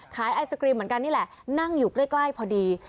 ไอศกรีมเหมือนกันนี่แหละนั่งอยู่ใกล้พอดี